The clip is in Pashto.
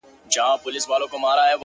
د پریان لوري ـ د هرات او ګندارا لوري ـ